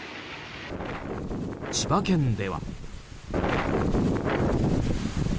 千葉県では。